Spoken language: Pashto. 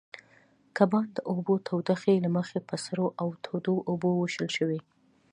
کبان د اوبو تودوخې له مخې په سړو او تودو اوبو وېشل شوي.